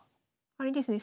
あれですね